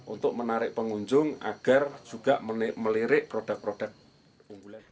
untuk menarik pengunjung agar juga melirik produk produk unggulan